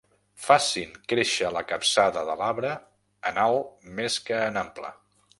Facin créixer la capçada de l'arbre en alt més que en ample.